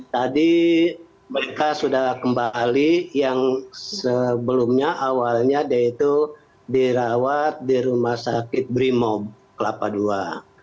tadi mereka sudah kembali yang sebelumnya awalnya dia itu dirawat di rumah sakit brimob kelapa ii